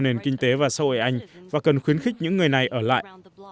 nền kinh tế và xã hội anh và cần khuyến khích những người này ở lại